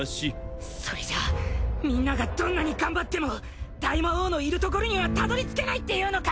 それじゃあみんながどんなに頑張っても大魔王のいるところにはたどり着けないっていうのか！